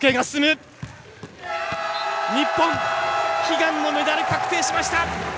日本、悲願のメダル確定しました！